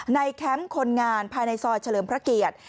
แคมป์คนงานภายในซอยเฉลิมพระเกียรติ